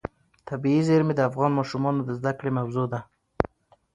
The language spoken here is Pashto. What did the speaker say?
طبیعي زیرمې د افغان ماشومانو د زده کړې موضوع ده.